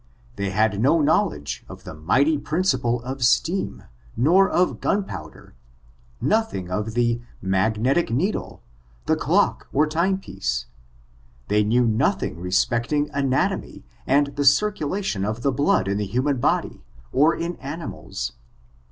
They had no knowledge of the mighty prin ciple of steam, nor of gunpowder — nothing of the magnetic needle, the clock or time piece. They knew nothing respecting anatomy and the circulation of ;' I ' I ^Mi^^M^^^A^ 244 ORIGIN, CHARACTERi ANI the blood in the human body, or in animals.